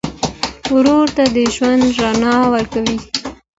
ورور ته د ژوند رڼا ورکوې.